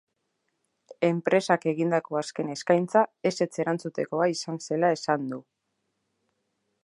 Enpresak egindako azken eskaintza ezetz erantzutekoa izan zela esan du.